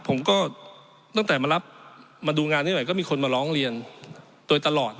ผมก็ตั้งแต่มารับมาดูงานนี้หน่อยก็มีคนมาร้องเรียนโดยตลอด